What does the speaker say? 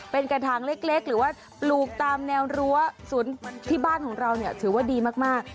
เป็นกระถางเล็กหรือว่าปลูกตามแนวรั้วศูนย์ที่บ้านของเราเนี่ยถือว่าดีมาก